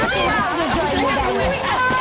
bisa ya bangun